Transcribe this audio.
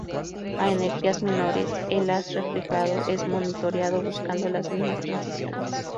A energías menores, el haz reflejado es monitoreado buscando las mismas transiciones.